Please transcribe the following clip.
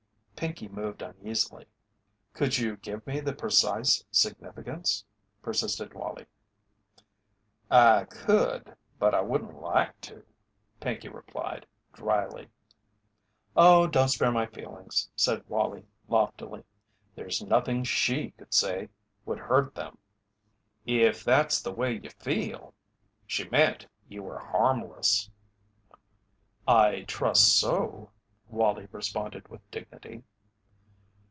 Pinkey moved uneasily. "Could you give me the precise significance?" persisted Wallie. "I could, but I wouldn't like to," Pinkey replied, drily "Oh, don't spare my feelings," said Wallie, loftily, "there's nothing she could say would hurt them." "If that's the way you feel she meant you were 'harmless'." "I trust so," Wallie responded with dignity.